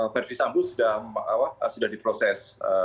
verdi sambo sudah diproses